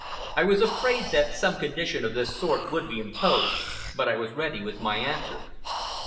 I was afraid that some condition of this sort would be imposed, but I was ready with my answer.